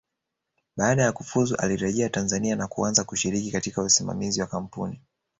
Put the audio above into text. Baada ya kufuzu alirejea Tanzania na kuanza kushiriki katika usimamizi wa kampuni